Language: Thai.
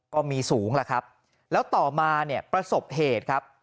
ก็มีสูงล่ะครับแล้วต่อมาเนี่ยประสบเหตุครับ